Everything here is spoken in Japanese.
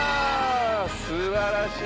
すばらしい！